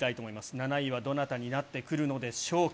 ７位はどなたになってくるのでしょうか。